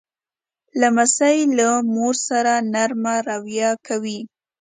لمسی له مور سره نرمه رویه کوي.